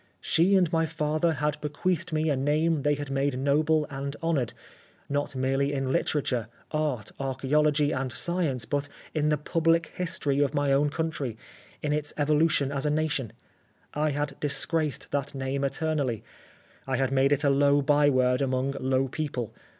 She and my father had bequeathed me a name they had made noble and honoured, not merely in literature, art, archaeology, and science, but in the public history of my own country, in its evolution as a nation. I had disgraced that name eternally. I had made it a low byword among low people.